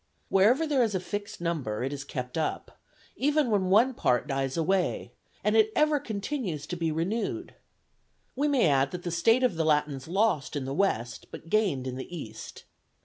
Wherever there is a fixed number, it is kept up, even when one part dies away, and it ever continues to be renewed. We may add that the state of the Latins lost in the West, but gained in the East.